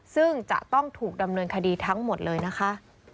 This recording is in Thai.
ซึ่งจะต้องถูกดำเนินคดีทั้งหมดเลยนะคะ